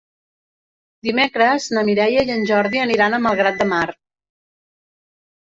Dimecres na Mireia i en Jordi aniran a Malgrat de Mar.